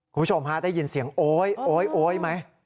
คุณผู้ชมฮะได้ยินเสียงโอ๊ยโอ๊ยโอ๊ยไหม